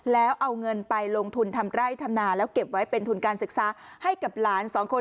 แล้วเอาเงินไปลงทุนทำไร่ทำนาแล้วเก็บไว้เป็นทุนการศึกษาให้กับหลานสองคน